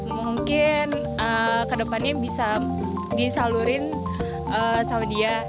mungkin ke depannya bisa disalurin sama dia